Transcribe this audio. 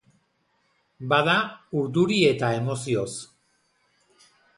Bada, urduri eta emozioz.